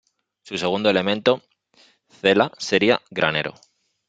Su segundo elemento "-cella" sería 'granero'.